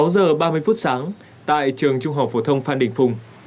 sáu giờ ba mươi phút sáng tại trường trung học phổ thông phan đình phùng